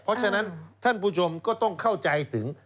เพราะฉะนั้นท่านผู้ชมก็ต้องเข้าใจถึง